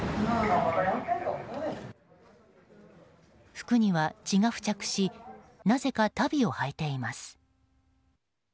服には血が付着しなぜか足袋を履いています。